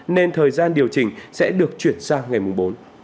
nên thời gian điều chỉnh sẽ được chuyển sang ngày mùng bốn